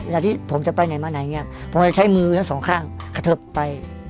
ที่ผมจะไปไหนมาไหนเนี่ยผมจะใช้มือทั้งสองข้างกระเทิบไป